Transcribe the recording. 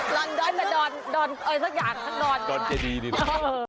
ลอนดอนแต่ดอนสักอย่างค่ะดอนดอนเจดีดิละ